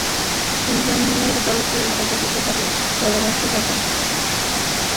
তিনজনের বদলে অযাচিতভাবে পরামর্শদাতা ত্রিশজন সভ্যের কমিটিই যেন গড়িয়া উঠিল শশীকে ঘিরিয়া।